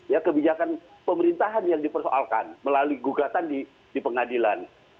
ya kebijakan pemerintahan yang dipersoalkan melalui gugatan di pengadilan